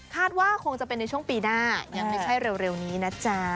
ว่าคงจะเป็นในช่วงปีหน้ายังไม่ใช่เร็วนี้นะจ๊ะ